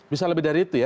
bisa lebih dari itu ya